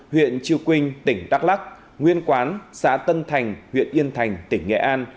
huyện triều quynh tỉnh đắk lắk nguyên quán xã tân thành huyện yên thành tỉnh nghệ an